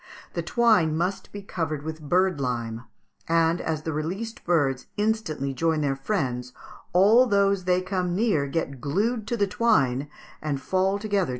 The twine must be covered with bird lime, and, as the released birds instantly join their friends, all those they come near get glued to the twine and fall together to the ground.